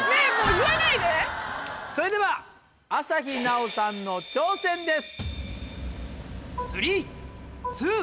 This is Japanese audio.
それでは朝日奈央さんの挑戦です。